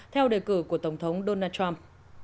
theo đề cử của tổng thống donald trump